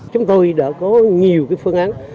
chúng tôi đã có nhiều phương án